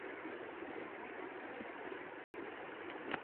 He was shot down over the Pacific.